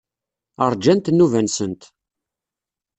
Ṛjant nnuba-nsent.